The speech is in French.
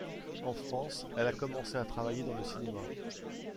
En France, elle commencé à travailler dans le cinéma.